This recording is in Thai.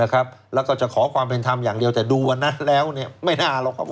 แล้วก็จะขอความเป็นธรรมอย่างเดียวแต่ดูวันนั้นแล้วเนี่ยไม่น่าหรอกครับ